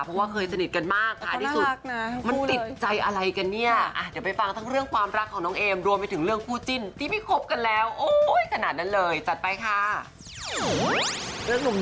เพราะว่าเคยสนิทกันมากท้ายที่สุด